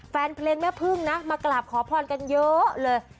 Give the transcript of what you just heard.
แฟนเพลงแม่พึ่งนะมากราบขอพรกันเยอะเลย